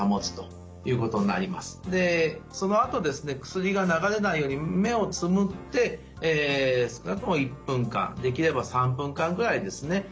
薬が流れないように目をつむって少なくとも１分間できれば３分間ぐらいですね